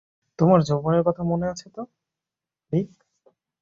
তোমার যৌবনের কথা মনে আছে তো, রিক?